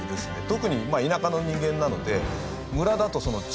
特に田舎の人間なので。